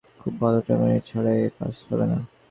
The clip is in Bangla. খুব ভালো টীমওয়ার্ক ছাড়া এ-কাজ হবে না।